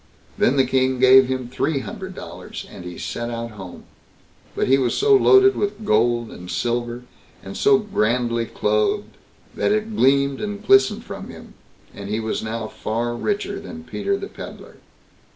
Then the King gave him three hundred dollars, and he set out home; but he was so loaded with gold and silver, and so grandly clothed, that it gleamed and glistened from him, and he was now far richer than Peter the Pedlar.